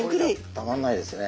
たまらないですね。